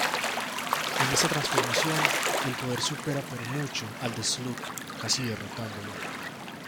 En esta transformación el poder supera por mucho al de Slug casi derrotándolo.